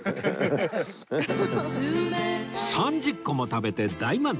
３０個も食べて大満足！